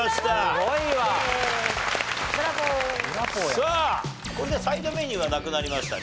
さあこれでサイドメニューはなくなりましたね。